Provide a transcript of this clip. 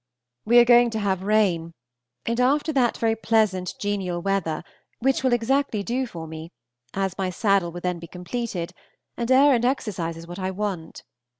We are going to have rain, and after that very pleasant genial weather, which will exactly do for me, as my saddle will then be completed, and air and exercise is what I want.